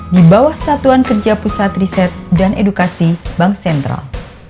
di bawah satuan kerja pusat riset dan edukasi bank sentral